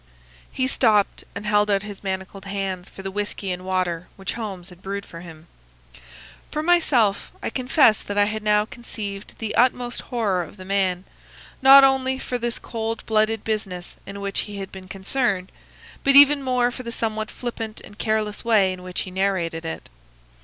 He stopped, and held out his manacled hands for the whiskey and water which Holmes had brewed for him. For myself, I confess that I had now conceived the utmost horror of the man, not only for this cold blooded business in which he had been concerned, but even more for the somewhat flippant and careless way in which he narrated it.